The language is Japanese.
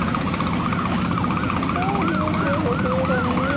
あ気持ちよさそうだね。